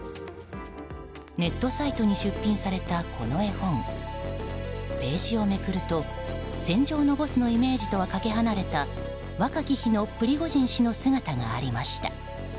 ネットサイトに出品されたこの絵本ページをめくると戦場のボスのイメージとはかけ離れた若き日のプリゴジン氏の姿がありました。